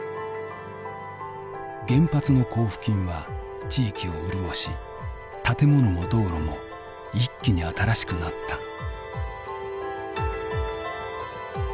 原発の交付金は地域を潤し建物も道路も一気に新しくなった。